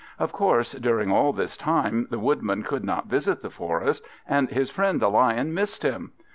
Of course during all this time the Woodman could not visit the forest, and his friend the Lion missed him.